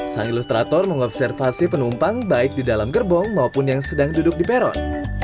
sang ilustrator mengobservasi penumpang baik di dalam gerbong maupun yang sedang duduk di peron